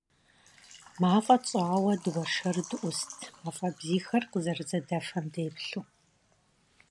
Мафӏэ тщӏауэ дыуэршэру дыӏуст, мафӀэ бзийхэр къызэрызэдэфэм деплъу.